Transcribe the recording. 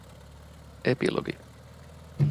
Epilogi